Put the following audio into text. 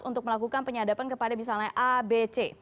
untuk melakukan penyadapan kepada misalnya abc